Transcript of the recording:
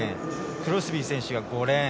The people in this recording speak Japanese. クロスビー選手が５レーン。